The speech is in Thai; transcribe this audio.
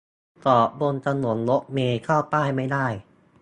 จอดบนถนนรถเมล์เข้าป้ายไม่ได้